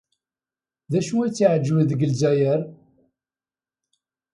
D acu ay tt-iɛejben deg Lezzayer?